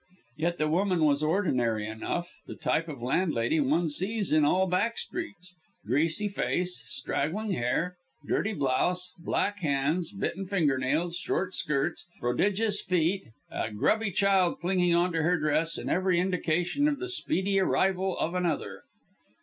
Yet the woman was ordinary enough the type of landlady one sees in all back streets greasy face, straggling hair, dirty blouse, black hands, bitten fingernails, short skirts, prodigious feet, a grubby child clinging on to her dress and every indication of the speedy arrival of another.